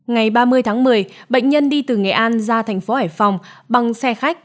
ngày ba mươi tháng một mươi bệnh nhân đi từ nghệ an ra thành phố hải phòng bằng xe khách